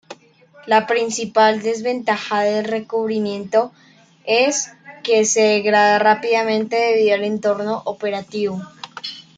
La principal desventaja del recubrimiento es que se degrada rápidamente debido al entorno operativo.